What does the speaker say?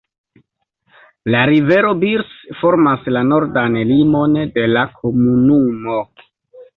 La rivero Birs formas la nordan limon de la komunumo.